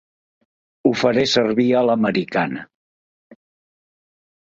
Ho faré servir a l'americana.